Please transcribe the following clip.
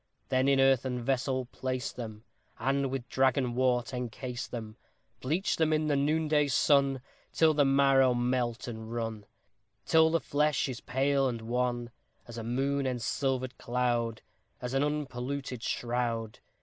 Then in earthen vessel place them, And with dragon wort encase them, Bleach them in the noonday sun, Till the marrow melt and run, Till the flesh is pale and wan, As a moon ensilvered cloud, As an unpolluted shroud.